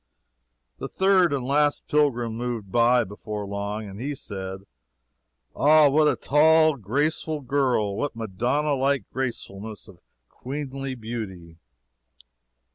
The third and last pilgrim moved by, before long, and he said: "Ah, what a tall, graceful girl! what Madonna like gracefulness of queenly beauty!"